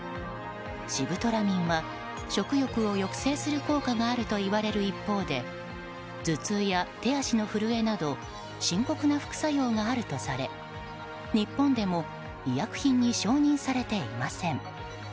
シブトラミンは食欲を抑制する効果があるといわれる一方で頭痛や手足の震えなど深刻な副作用があるとされ日本でも医薬品に承認されていません。